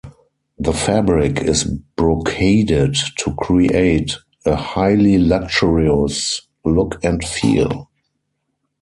The fabric is brocaded to create a highly luxurious look and feel.